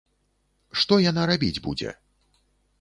Што яна рабіць будзе?